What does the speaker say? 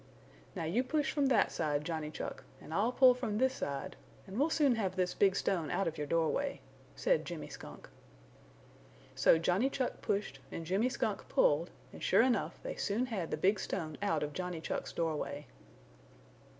"Now you push from that side, Johnny Chuck, and I'll pull from this side, and we'll soon have this big stone out of your doorway," said Jimmy Skunk. So Johnny Chuck pushed and Jimmy Skunk pulled, and sure enough they soon had the big stone out of Johnny Chuck's doorway.